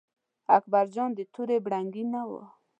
اکبر جان د تورې بنګړي نه و.